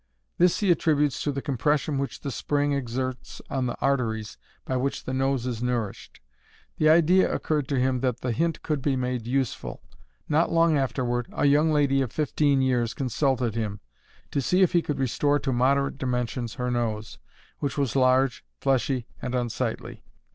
This he attributes to the compression which the spring exerts on the arteries by which the nose is nourished. The idea occurred to him that the hint could be made useful. Not long afterward, a young lady of fifteen years consulted him, to see if he could restore to moderate dimensions her nose, which was large, fleshy, and unsightly.